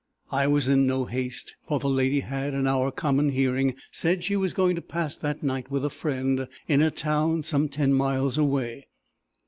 I was in no haste, for the lady had, in our common hearing, said, she was going to pass that night with a friend, in a town some ten miles away.